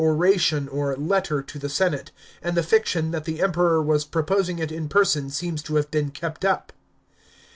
CHAP, xxvm •'oration" or "letter" to the senate, and the fiction that the Emperor was proposing it in person seems to have been kept up.